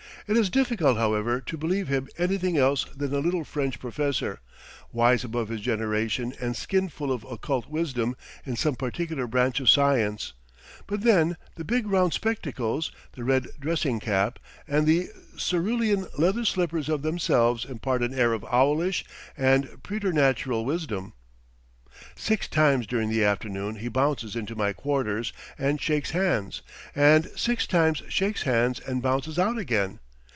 It is difficult, however, to believe him anything else than a little French professor, wise above his generation and skin full of occult wisdom in some particular branch of science; but then the big round spectacles, the red dressing cap, and the cerulean leather slippers of themselves impart an air of owlish and preternatural wisdom. Six times during the afternoon he bounces into my quarters and shakes hands, and six times shakes hands and bounces out again.